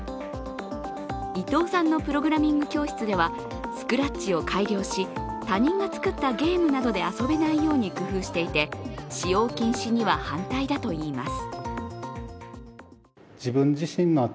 伊藤さんのプログラミング教室ではスクラッチを改良し、他人が作ったゲームなどで遊べないように工夫していて使用禁止には反対だといいます。